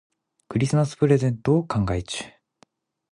クリスマスプレゼントを考え中。